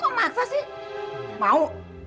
kok maksa sih mau